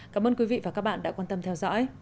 cảm ơn quý vị và các bạn đã quan tâm theo dõi